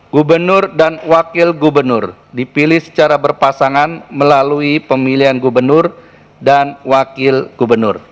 gubernur dan wakil gubernur dipilih secara berpasangan melalui pemilihan gubernur dan wakil gubernur